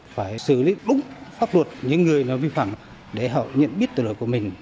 phải xử lý đúng pháp luật những người nó vi phẳng để họ nhận biết tội lỗi của mình